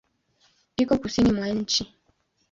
Iko kusini mwa nchi.